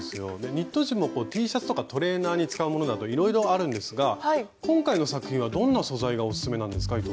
ニット地もＴシャツとかトレーナーに使うものだといろいろあるんですが今回の作品はどんな素材がオススメなんですか？